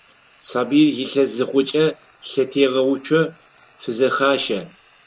Сабыир илъэс зыхъукӀэ, лъэтегъэуцо фызэхащэ.